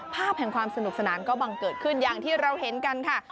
ภาพแห่งความสนุกสนานก็บังเกิดขึ้นอย่างที่เราเห็นกันค่ะ